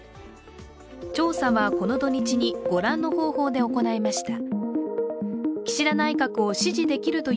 調査はこの土日にご覧の方法で行いました。